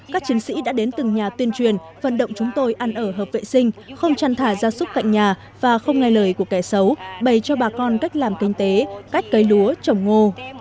các chiến sĩ đã đến từng nhà tuyên truyền vận động chúng tôi ăn ở hợp vệ sinh không chăn thả ra súc cạnh nhà và không nghe lời của kẻ xấu bày cho bà con cách làm kinh tế cách cấy lúa trồng ngô